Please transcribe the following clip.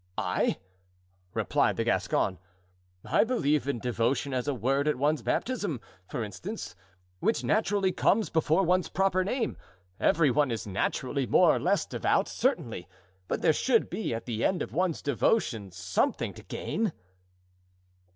"I," replied the Gascon, "I believe in devotion as a word at one's baptism, for instance, which naturally comes before one's proper name; every one is naturally more or less devout, certainly; but there should be at the end of one's devotion something to gain."